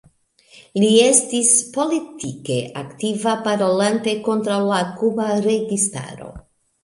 Li estis politike aktiva parolante kontraŭ la kuba registaro.